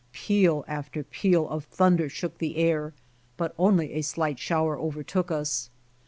Peal after peal of thunder shook the air, but only a slight shower overtook us.